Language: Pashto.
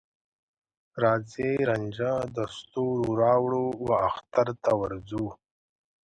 راځې رانجه د ستوروراوړو، واخترته ورځو